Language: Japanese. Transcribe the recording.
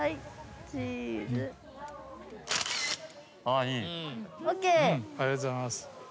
ありがとうございます。